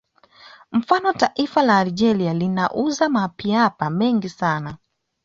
Mfano taifa la Algeria linauza mapiapa mengi sana